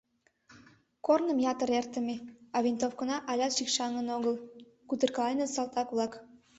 — Корным ятыр эртыме, а винтовкына алят шикшаҥын огыл, — кутыркаленыт салтак-влак.